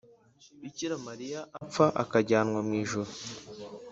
bikira mariya apfa akajyanwa mw’ijuru.